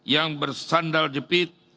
yang bersandal jepit